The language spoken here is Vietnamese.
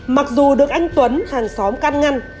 mặc dù được anh tuấn hàng xóm can ngăn